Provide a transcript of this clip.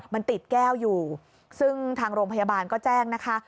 มันติดแก้วอยู่ซึ่งทางโรงพยาบาลก็แจ้งนะคะ